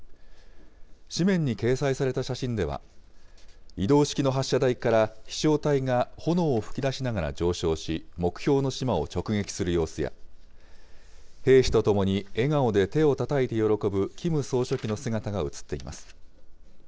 紙面に掲載された写真では、移動式の発射台から飛しょう体が炎を噴き出しながら上昇し、目標の島を直撃する様子や、兵士と共に、笑顔で手をたたいて喜ぶキム総書記の姿が写っています。